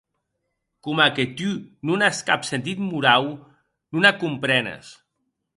Coma que tu non as cap sentit morau, non ac comprenes.